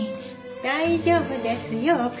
大丈夫ですよ奥様。